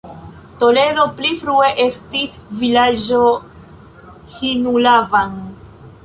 Toledo pli frue estis vilaĝo Hinulavan.